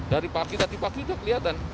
dari parkir tadi pagi itu kelihatan